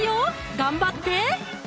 頑張って！